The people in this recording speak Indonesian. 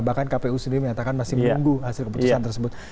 bahkan kpu sendiri menyatakan masih menunggu hasil keputusan tersebut